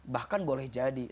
bahkan boleh jadi